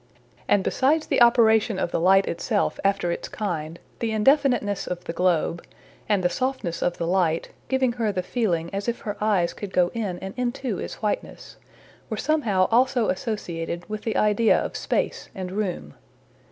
And besides the operation of the light itself after its kind, the indefiniteness of the globe, and the softness of the light, giving her the feeling as if her eyes could go in and into its whiteness, were somehow also associated with the idea of space and room.